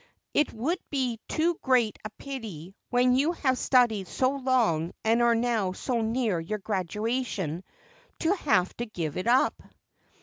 It would be too great a pity, when you have studied so long and are now so near your graduation, to have to give it up."